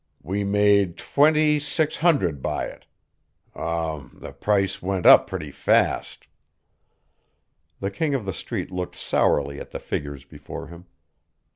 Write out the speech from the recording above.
We made twenty six hundred by it. Um the price went up pretty fast." The King of the Street looked sourly at the figures before him.